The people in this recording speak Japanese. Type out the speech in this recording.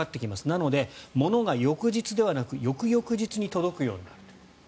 なので物が、翌日ではなく翌々日に届くようになると。